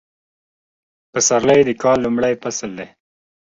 پسرلی د کال لومړی فصل دی